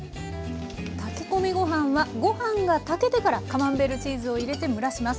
炊き込みご飯はご飯が炊けてからカマンベールチーズを入れて蒸らします。